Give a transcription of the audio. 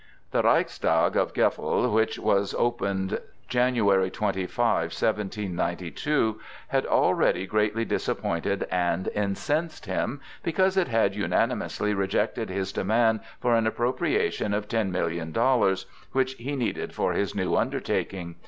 The Reichstag of Gefle, which was opened January 25, 1792, had already greatly disappointed and incensed him, because it had unanimously rejected his demand for an appropriation of ten million dollars which he needed for his new undertaking.